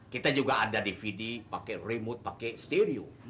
kita juga ada dvd pakai remote pakai stereo